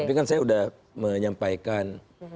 tapi kan saya sudah menyampaikan